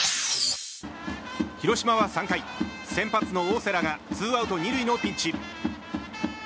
広島は３回先発の大瀬良がツーアウト２塁のピンチ。